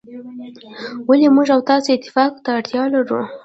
ولي موږ او تاسو اتفاق ته اړتیا لرو.